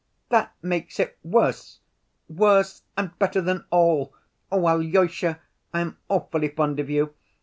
"That makes it worse! Worse and better than all! Alyosha, I am awfully fond of you.